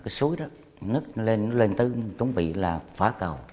chú để toàn trong nhà